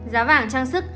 giá vàng trang sức